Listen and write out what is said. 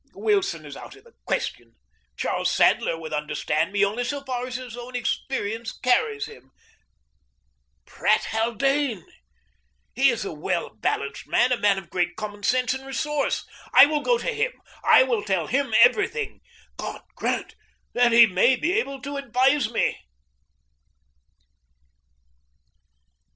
Wilson is out of the question. Charles Sadler would understand me only so far as his own experience carries him. Pratt Haldane! He is a well balanced man, a man of great common sense and resource. I will go to him. I will tell him every thing. God grant that he may be able to advise me!